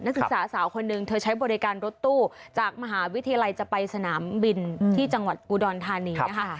ศึกษาสาวคนหนึ่งเธอใช้บริการรถตู้จากมหาวิทยาลัยจะไปสนามบินที่จังหวัดอุดรธานีนะคะ